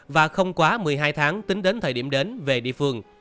và không quá một mươi hai tháng tính đến thời điểm đến